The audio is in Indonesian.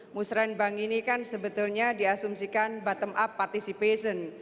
musrembang ini kan sebetulnya diasumsikan bottom up participation